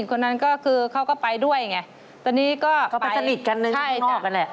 ตอนนี้ก็ไปเขาไปสนิทกันอยู่ข้างนอกกันแหละ